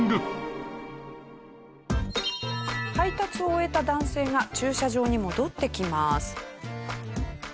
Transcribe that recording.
配達を終えた男性が駐車場に戻ってきます。